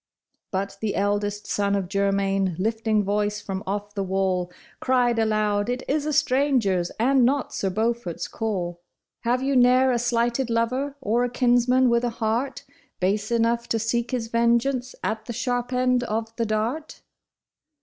But the eldest son of Germain lifting voice from off the wall. Cried aloud, " It is a stranger's and not Sir Beau fort's call ; THE DEFENCE OF THE BRIDE. 3 Have you ne'er a slighted lover or a kinsman with a heart Base enough to seek his vengeance at the sharp end of the dart